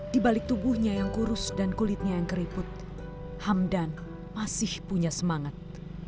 di balik tubuhnya yang kurus dan kulitnya yang keriput hamdan masih punya semangat